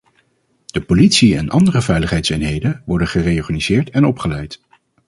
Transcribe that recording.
De politie en andere veiligheidseenheden worden gereorganiseerd en opgeleid.